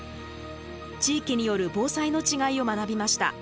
地域による防災の違いを学びました。